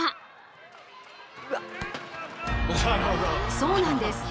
そうなんです。